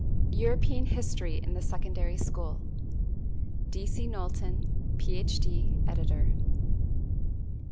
European History in the Secondary School D. C. KNOWLTON, PH.D., Editor.